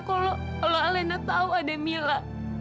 kalau alena tahu ada mila